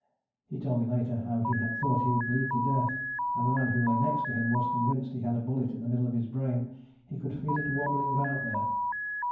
He told me later how he had thought he would bleed to death, and the man who lay next to him was convinced he had a bullet in the middle of his brain he could feel it wobbling about there!